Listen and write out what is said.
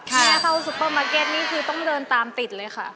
แม่เข้าซุปเปอร์มาร์เก็ตนี่คือต้องเดินตามติดเลยค่ะ